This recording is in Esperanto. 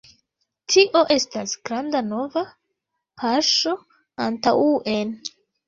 Tio estas granda nova paŝo antaŭen